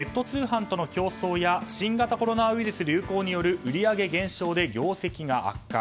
東急ハンズはネット通販との競争や新型コロナウイルス流行による売り上げ減少で業績が悪化。